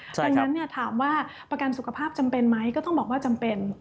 ดังนั้นถามว่าประกันสุขภาพจำเป็นไหมก็ต้องบอกว่าจำเป็น